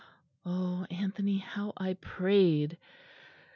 Oh, Anthony! how I prayed!